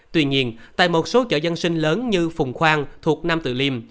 tuy nhiên tại một số chợ dân sinh lớn như phùng khoang thuộc nam tử liêm